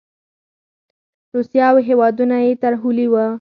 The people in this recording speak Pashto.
روسیه او هېوادونه یې ترهولي وو.